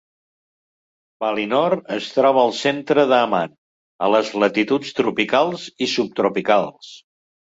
Valinor es troba al centre de Aman, a les latituds tropicals i subtropicals.